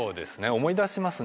思い出しますね。